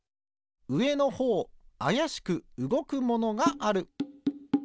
うえのほうあやしくうごくものがある。